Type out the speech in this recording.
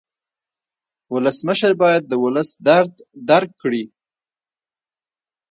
ولسمشر باید د ولس درد درک کړي.